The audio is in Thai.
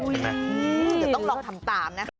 เดี๋ยวต้องลองทำตามนะคะ